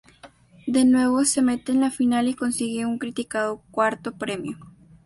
De nuevo, se mete en la final y consigue un criticado cuarto premio.